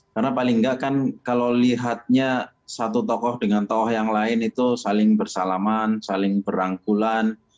karena paling nggak kan kalau lihatnya satu tokoh dengan tokoh yang lain itu saling bersalaman saling berangkulan